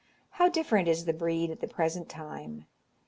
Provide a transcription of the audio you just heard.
How different is the breed at the present time!